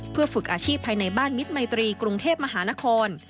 เพื่อฝึกอาชีพภายในบ้านมิตรมัยตรีกรุงเทพมหานคร